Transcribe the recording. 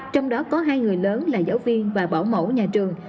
trong đó có hai người lớn là giáo viên và bảo mẫu nhà trường